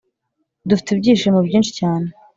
Dufite ibyishimo byinshi cyane